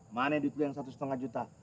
mana duit lo yang satu setengah juta